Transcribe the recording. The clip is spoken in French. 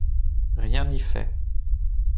Rien n’y fait.